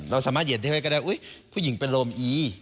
เราสามารถเหยียบเพื่อนมนุษย์ให้กันแล้วอุ๊ยผู้หญิงเป็นโลมอี